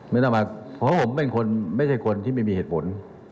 ไม่ต้องมาเพราะผมเป็นคนไม่ใช่คนที่ไม่มีเหตุผล